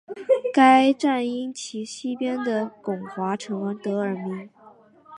该站因其西边的巩华城而得名。